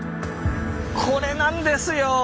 これなんですよ！